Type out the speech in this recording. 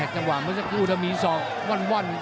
จังหว่ามันจะคู่ถ้ามีสองวั่น